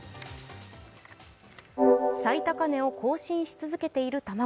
最高値を更新し続けている卵。